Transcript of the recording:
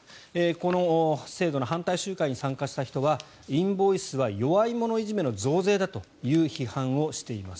この制度の反対集会に参加した人はインボイスは弱い者いじめの増税だと批判をしています。